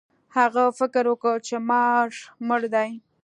هغه فکر وکړ چې مار مړ دی.